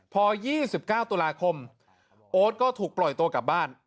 พอ๒๙ตุลาคมโอ๊ตก็ถูกปล่อยตัวกลับบ้าน